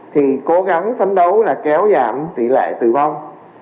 thì cố gắng phấn đấu là kéo giảm tỷ lệ tử vong